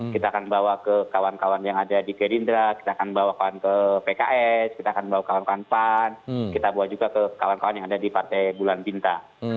kita akan bawa ke kawan kawan yang ada di gerindra kita akan bawa pan ke pks kita akan bawa kawan kawan pan kita bawa juga ke kawan kawan yang ada di partai bulan bintang